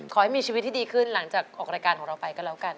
ขอให้มีชีวิตที่ดีขึ้นหลังจากออกรายการของเราไปก็แล้วกัน